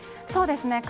そうですね。